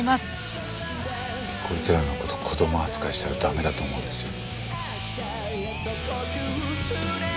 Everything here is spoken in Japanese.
こいつらの事子供扱いしたら駄目だと思うんですよ。